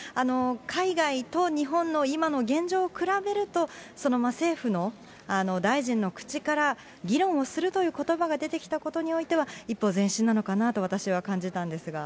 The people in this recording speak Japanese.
海外と日本の今の現状を比べると、政府の、大臣の口から議論をするということばが出てきたことにおいては、一歩前進なのかなと私は感じたんですが。